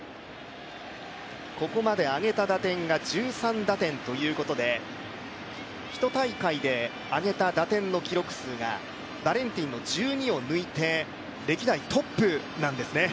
ここまで挙げた打点が１３打点ということで、１大会で挙げた打点の記録数がバレンティンの１２を抜いて、歴代トップなんですね。